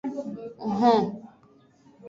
Hon.